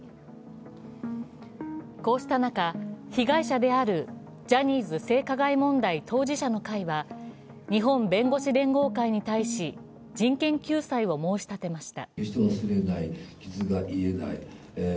こうした中、被害者であるジャニーズ性加害問題当事者の会は日本弁護士連合会に対し、人権救済を申し立てました。